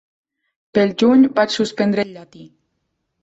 Pel juny vaig suspendre el llatí.